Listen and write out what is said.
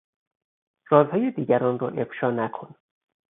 رازهای دیگران را افشا نکن!